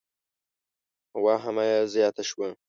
واهمه یې زیاته شوه.